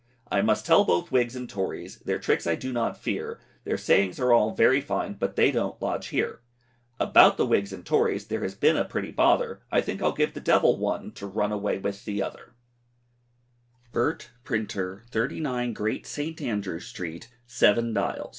I must tell both wigs and tories, Their tricks I do not fear, Their sayings all are very fine, But they don't lodge here. About the wigs and tories, There has been a pretty bother, I think I'll give the devil one, To run away with the other Birt, Printer, 39, Great St. Anderw Street, Seven Dials.